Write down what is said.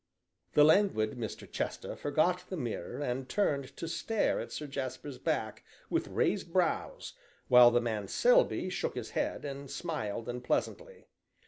The languid Mr. Chester forgot the mirror, and turned to stare at Sir Jasper's back, with raised brows, while the man Selby shook his head, and smiled unpleasantly.